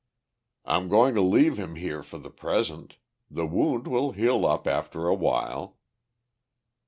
"I'm going to leave him here for the present. The wound will heal up after a while."